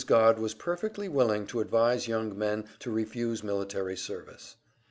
Godd was perfectly willing to advise young men to refuse military service.